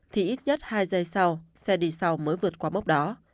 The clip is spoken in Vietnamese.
thì ít nhất hai giây sau xe đi sau mới vượt qua mốc đó